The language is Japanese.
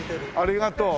ありがとう。